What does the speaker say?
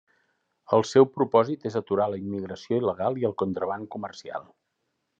El seu propòsit és aturar la immigració il·legal i el contraban comercial.